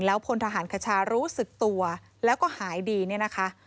พลทหารคชารู้สึกตัวแล้วก็หายดีเนี่ยนะคะ